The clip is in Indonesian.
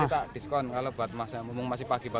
kita diskon kalau buat mas yang umum masih pagi